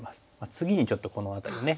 次にちょっとこの辺りのね